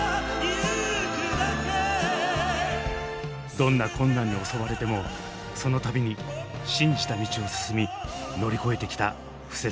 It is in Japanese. どんな困難に襲われてもその度に信じた道を進み乗り越えてきた布施さん。